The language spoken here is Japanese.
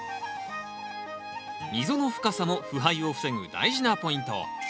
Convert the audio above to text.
溝の深さも腐敗を防ぐ大事なポイント。